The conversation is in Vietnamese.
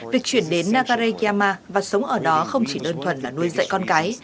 việc chuyển đến nagareyama và sống ở đó không chỉ đơn thuần là nuôi dạy con cái